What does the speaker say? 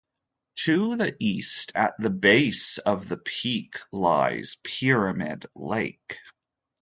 To the east, at the base of the peak, lies Pyramid Lake.